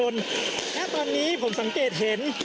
ณตอนนี้ผมสังเกตเห็น